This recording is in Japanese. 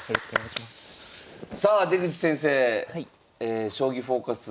さあ出口先生「将棋フォーカス」